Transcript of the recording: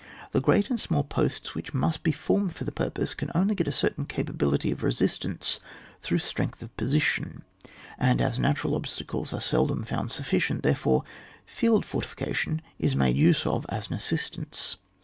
The great and small posts which must be formed for tlie purpose, can only get a certain capa bility of resistance through strength of po sition; and as natural obstacles are seldom found sufficient, therefore field fortifica tion is made use of as an assistance.